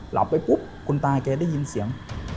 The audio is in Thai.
หลับไปปุ๊บคุณตาแกได้ยินเสียง